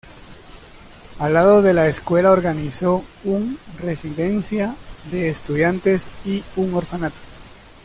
Al lado de la escuela organizó un residencia de estudiantes y un orfanato.